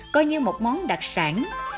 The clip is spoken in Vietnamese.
coi như một món đặc sản